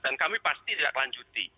dan kami pasti tidak lanjuti